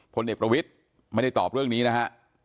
พลเอกประวิทย์ไม่ได้ตอบเรื่องนี้นะฮะ